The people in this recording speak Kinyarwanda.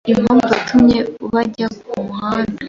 impamvu yatumye bajya ku muhanda.